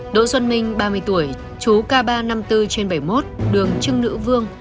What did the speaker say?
đỗ xuân minh ba mươi tuổi chú k ba trăm năm mươi bốn trên bảy mươi một đường trưng nữ vương